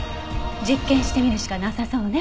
実験してみるしかなさそうね。